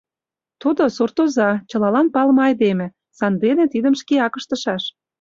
Тудо — суртоза, чылалан палыме айдеме, сандене тидым шкеак ыштышаш.